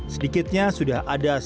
sedikitnya sudah ada